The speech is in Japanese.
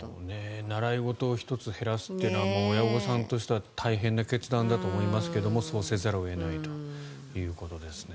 習い事を１つ減らすというのは親御さんとしては大変な決断だと思いますけれどもそうせざるを得ないということですね。